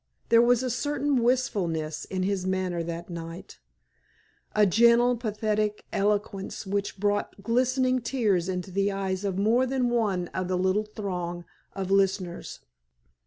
There was a certain wistfulness in his manner that night, a gentle, pathetic eloquence which brought glistening tears into the eyes of more than one of the little throng of listeners.